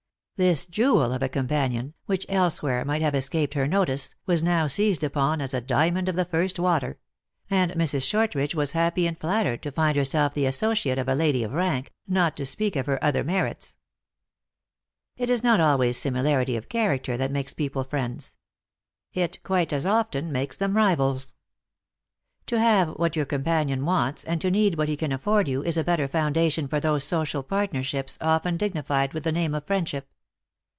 This jewel of a companion, which elsewhere might have escaped her notice, was now seized upon as a diamond of the first water ; and Mrs. Shortridge was happy and flattered to find herself the associate of a lady of rank, not to speak of her other merits. It is not always similarity of character that makes people friends. It quite as often makes them rivals. 88 THE ACTRESS IN HIGH LIFE. To have what your companion wants, and to need what he can afford you, is a better foundation for those social partnerships, often dignified with the name of friendship.